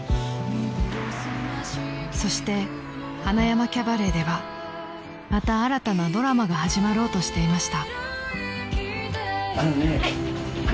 ［そして塙山キャバレーではまた新たなドラマが始まろうとしていました］